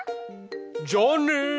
じゃあね。